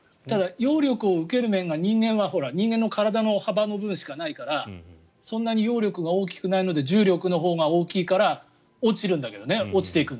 ただ、揚力を受ける面が人間の体の幅の分しかないからそんなに揚力が大きくないので重力のほうが大きいから落ちるんだけどね。